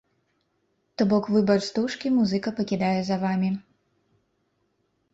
То бок выбар стужкі музыка пакідае за вамі!